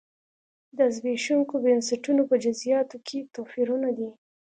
د زبېښونکو بنسټونو په جزییاتو کې توپیرونه دي.